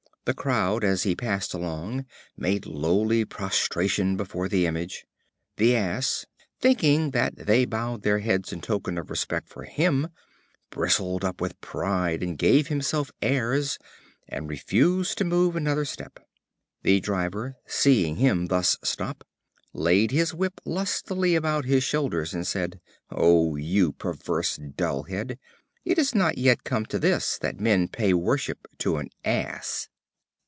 The crowd as he passed along made lowly prostration before the Image. The Ass, thinking that they bowed their heads in token of respect for him, bristled up with pride and gave himself airs, and refused to move another step. The driver, seeing him thus stop, laid his whip lustily about his shoulders and said: "O you perverse dull head! it is not yet come to this, that men pay worship to an Ass."